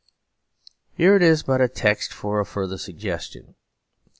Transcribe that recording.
Here it is but a text for a further suggestion.